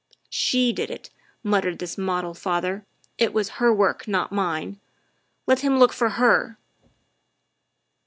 " She did it," muttered this model father; " it was her work, not mine. Let him look for her."